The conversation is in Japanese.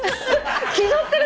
気取ってる。